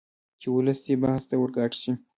چې ولس دې بحث ته ورګډ شي